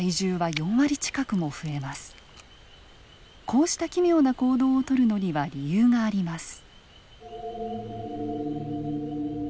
こうした奇妙な行動をとるのには理由があります。